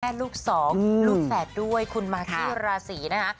แม่ลูกสองลูกแฝดด้วยคุณมาคิราศรีนะฮะ